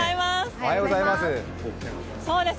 おはようございます。